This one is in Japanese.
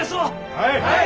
はい！